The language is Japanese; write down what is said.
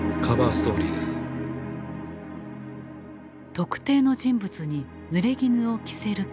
特定の人物にぬれぎぬを着せる計画。